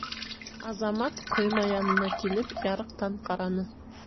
Азамат, ҡойма янына килеп, ярыҡтан ҡараны.